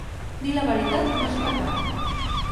Dir la veritat no és pecat.